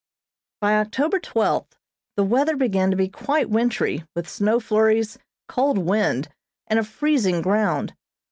By October twelfth the weather began to be quite wintry, with snow flurries, cold wind, and a freezing ground.